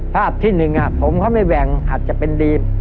ภาพที่๑ผมเขาไม่แหว่งอาจจะเป็นดรีม